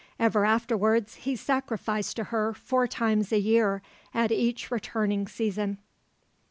Ever afterwards he sacrificed to her four times a year at each returning season.